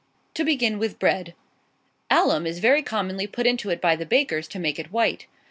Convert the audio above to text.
To begin with bread. Alum is very commonly put into it by the bakers, to make it white.